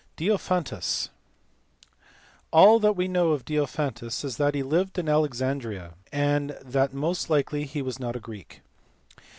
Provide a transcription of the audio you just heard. Diophantus*. All that we know of Diophantus is that he lived at Alexandria, and that most likely he was not a Greek.